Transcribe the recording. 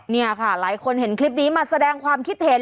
นี่ค่ะหลายคนเห็นคลิปนี้มาแสดงความคิดเห็น